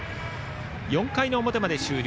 ４回の表まで終了、